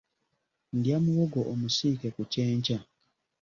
Ndya muwogo omusiike ku kyenkya.